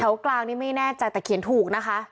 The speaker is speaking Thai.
กลางนี่ไม่แน่ใจแต่เขียนถูกนะคะ